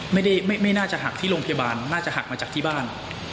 ไม่น่าจะหักที่โรงพยาบาลน่าจะหักมาจากที่บ้าน